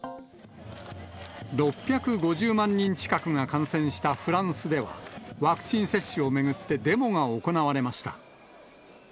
６５０万人近くが感染したフランスでは、ワクチン接種を巡ってデモが行われました。